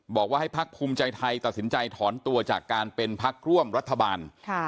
บอกว่าให้พักภูมิใจไทยตัดสินใจถอนตัวจากการเป็นพักร่วมรัฐบาล